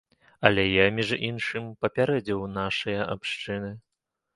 Але я, між іншым, папярэдзіў нашыя абшчыны.